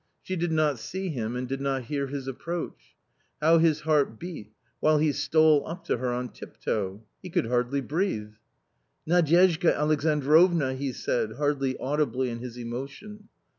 She did not see him and did not hear his approach. How his heart beat, while he stole up to her on tiptoe ! He could hardly breathe !" Nadyezhda Alexandrovna !" he said, hardly audibly in his emotion.